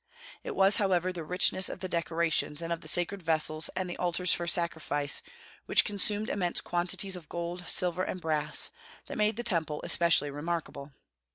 It was, however, the richness of the decorations and of the sacred vessels and the altars for sacrifice, which consumed immense quantities of gold, silver, and brass, that made the Temple especially remarkable.